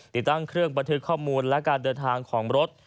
ติดตั้งเครื่องบันทึกข้อมูลและการเดินทางของรถ